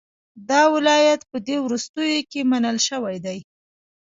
دا ولایت په دې وروستیو کې منل شوی دی.